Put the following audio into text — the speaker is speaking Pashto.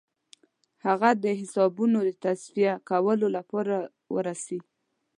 هغه د حسابونو د تصفیه کولو لپاره ورسي.